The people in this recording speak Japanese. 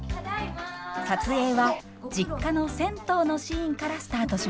撮影は実家の銭湯のシーンからスタートしました。